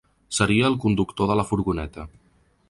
Seria el conductor de la furgoneta.